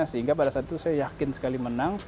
sehingga pada saat itu saya yakin sekali menang